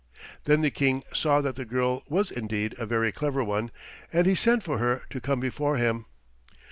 Then the King saw that the girl was indeed a clever one, and he sent for her to come before him.